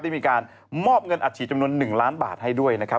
ได้มีการมอบเงินอัดฉีดจำนวน๑ล้านบาทให้ด้วยนะครับ